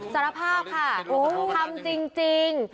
สารภาพค่ะทำจริง